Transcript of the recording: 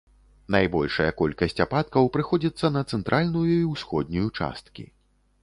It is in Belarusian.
Найбольшая колькасць ападкаў прыходзіцца на цэнтральную і ўсходнюю часткі.